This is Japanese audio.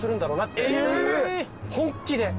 本気で。